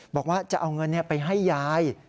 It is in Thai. บอกว่าจะเอาเงินไปให้ยาย